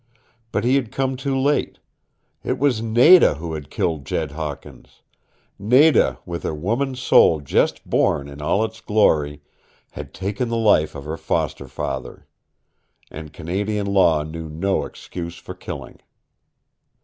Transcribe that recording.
But he had come too late. It was Nada who had killed Jed Hawkins. Nada, with her woman's soul just born in all its glory, had taken the life of her foster father. And Canadian law knew no excuse for killing.